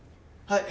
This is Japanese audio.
はい！